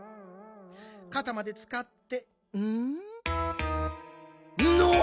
かたまでつかってん？のお！